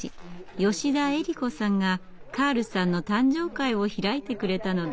吉田えり子さんがカールさんの誕生会を開いてくれたのです。